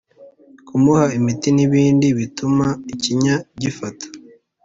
kumuha imiti n ibindi bituma ikinya gifata